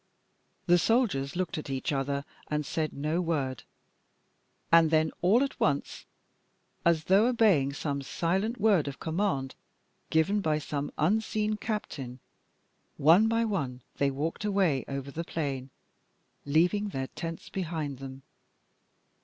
The soldiers looked at each other and said no word. And then all at once, as though obeying some silent word of command given by some unseen captain, one by one they walked away over the plain, leaving their tents behind them.